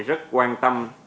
rất quan tâm